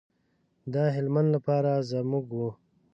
د هلمند لپاره زموږ و.